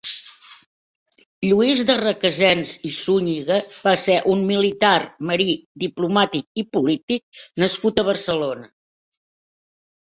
Lluís de Requesens i Zúñiga va ser un militar, marí, diplomàtic i polític nascut a Barcelona.